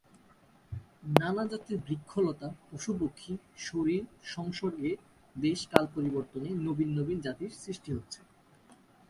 নানাজাতের বৃক্ষলতা পশুপক্ষী শরীর সংসর্গে দেশ-কাল-পরিবর্তনে নবীন নবীন জাতির সৃষ্টি হচ্ছে।